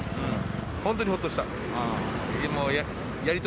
本当にほっとした。